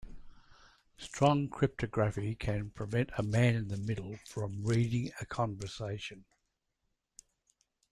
Strong cryptography can prevent a man in the middle from reading a conversation.